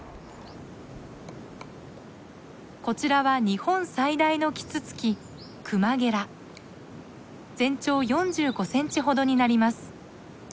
こちらは日本最大のキツツキ全長４５センチほどになります。